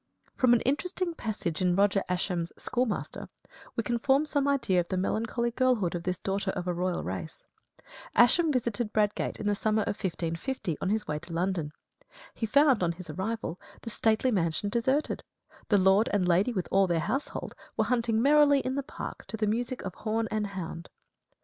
From an interesting passage in Roger Ascham's "Schoolmaster," we can form some idea of the melancholy girlhood of this daughter of a royal race. Ascham visited Bradgate in the summer of 1550 on his way to London. He found, on his arrival, the stately mansion deserted; the Lord and Lady, with all their household, were hunting merrily in the park to the music of horn and hound.